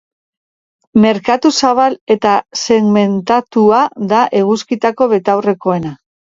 Merkatu zabal eta segmentatua da eguzkitako betaurrekoena.